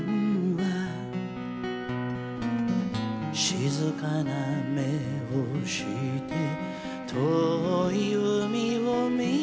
「静かな目をして遠い海を見てた」